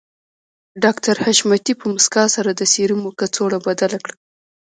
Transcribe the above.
ډاکټر حشمتي په مسکا سره د سيرومو کڅوړه بدله کړه